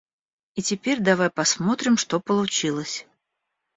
И теперь давай посмотрим, что получилось.